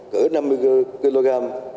cỡ năm mươi kg